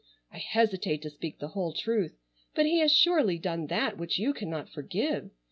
I hesitate to speak the whole truth, but he has surely done that which you cannot forgive.